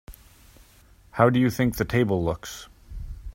How do you think the table looks?